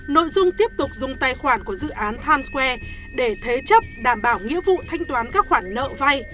nội dung tiếp tục dùng tài khoản của dự án times square để thế chấp đảm bảo nghĩa vụ thanh toán các khoản nợ vai